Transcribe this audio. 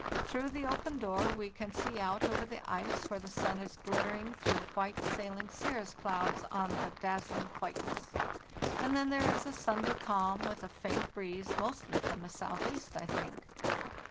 Through the open door we can see out over the ice where the sun is glittering through white sailing cirrus clouds on the dazzling whiteness. And then there is a Sunday calm, with a faint breeze mostly from the southeast, | think.